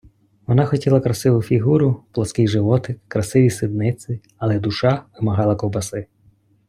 Вона хотіла красиву фігуру, плоский животик, красиві сідниці, але душа вимагала ковбаси.